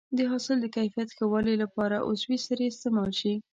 د حاصل د کیفیت ښه والي لپاره عضوي سرې استعمال شي.